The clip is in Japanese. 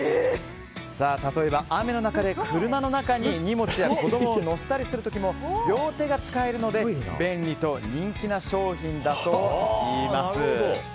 例えば雨の中で車の中に荷物や子供を乗せたりする時も両手が使えるので便利と人気な商品だといいます。